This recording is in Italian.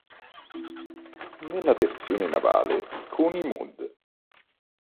Nella versione navale, con i Mod.